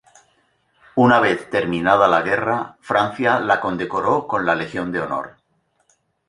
Una vez terminada la guerra, Francia la condecoró con la Legión de Honor.